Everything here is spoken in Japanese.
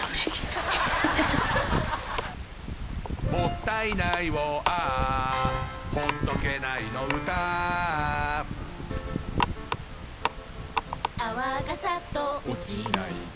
「もったいないをＡｈ」「ほっとけないの唄Ａｈ」「泡がサッと落ちないと」